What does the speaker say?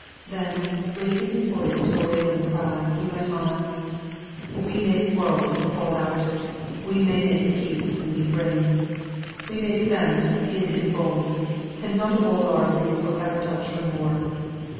Then, raising his voice to a wailing cry, he went on: "We may quarrel and fall out we may make peace and be friends we may clem to skin and bone and nought o' all our griefs will ever touch her more.